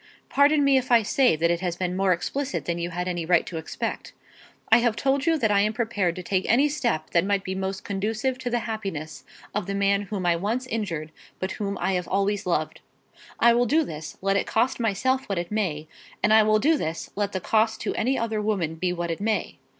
Pardon me if I say that it has been more explicit than you had any right to expect. I have told you that I am prepared to take any step that may be most conducive to the happiness of the man whom I once injured, but whom I have always loved. I will do this, let it cost myself what it may; and I will do this let the cost to any other woman be what it may.